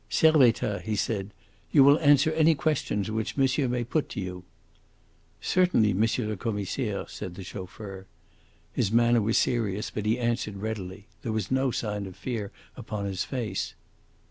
"Servettaz," he said, "you will answer any questions which monsieur may put to you." "Certainly, M. le Commissaire," said the chauffeur. His manner was serious, but he answered readily. There was no sign of fear upon his face.